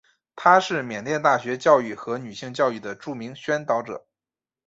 他是缅甸大学教育和女性教育的著名宣导者。